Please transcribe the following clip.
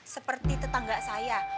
seperti tetangga saya